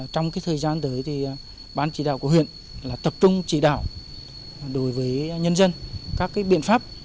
trong thời gian tới ban chỉ đạo của huyện là tập trung chỉ đạo đối với nhân dân các biện pháp